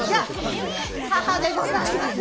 母でございます。